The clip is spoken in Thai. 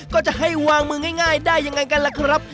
ก็จะให้วางมือง่ายได้ยังไงกันล่ะครับ